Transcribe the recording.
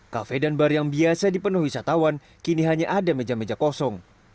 kafe dan bar yang biasa dipenuhi wisatawan kini hanya ada meja meja kosong